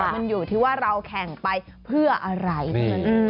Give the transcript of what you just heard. มันอยู่ที่ว่าเราแข่งไปเพื่ออะไร